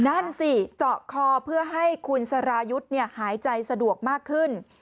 นั่นสิเจาะคอเพื่อให้คุณสรายุทธ์หายใจสะดวกมากขึ้น